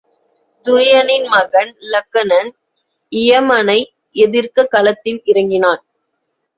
துரியனின் மகன் இலக்கணன் இயமனை எதிர்க்கக் களத்தில் இறங்கினான்.